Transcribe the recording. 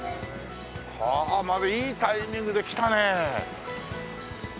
はあまたいいタイミングで来たねえ。